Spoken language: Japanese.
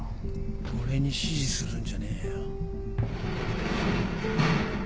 俺に指示するんじゃねえよ。